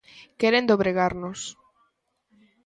Queren dobregarnos.